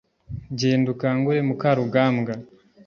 genda ukangure mukarugambwa